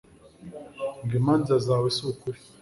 ngo imanza zawe si ukuri